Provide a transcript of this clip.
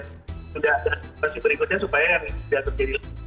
sudah ada versi berikutnya supaya yang ini sudah terjadi lalu